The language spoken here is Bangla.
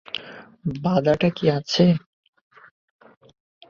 বাধাটা কী আছে।